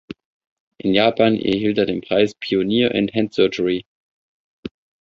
In Japan erhielt er den Preis "Pioneer in hand surgery".